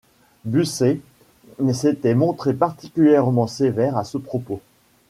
Bucer s’était montré particulièrement sévère à ce propos.